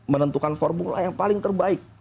menentukan formula yang paling terbaik